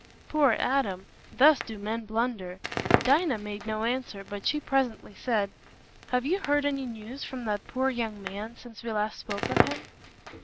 Poor Adam! Thus do men blunder. Dinah made no answer, but she presently said, "Have you heard any news from that poor young man, since we last spoke of him?"